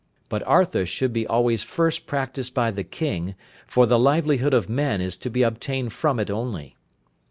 But Artha should be always first practised by the king, for the livelihood of men is to be obtained from it only.